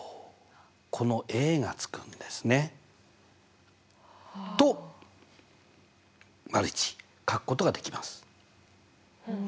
このがつくんですね。と①書くことができます。